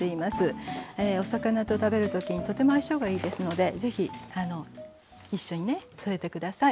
お魚と食べるときにとても相性がいいですのでぜひ一緒にね添えて下さい。